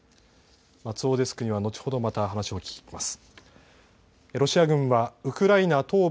松尾デスクには後ほどまた話を聞きます。